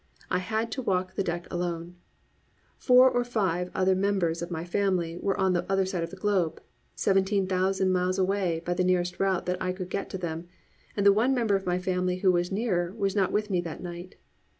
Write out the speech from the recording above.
I had to walk the deck alone. Four of the five other members of my family were on the other side of the globe, seventeen thousand miles away by the nearest route that I could get to them, and the one member of my family who was nearer was not with me that night.